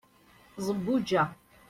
zebbuǧa